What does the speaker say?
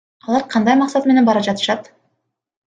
Алар кандай максат менен бара жатышат?